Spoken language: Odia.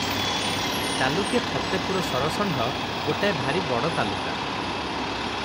ତାଲୁକେ ଫତେପୁର ସରଷଣ୍ତ ଗୋଟାଏ ଭାରି ବଡ଼ ତାଲୁକା ।